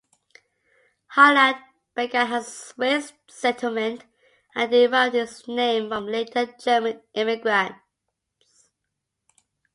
Highland began as a Swiss settlement and derived its name from later German immigrants.